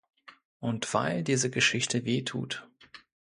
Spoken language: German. Und weil diese Geschichte weh tut.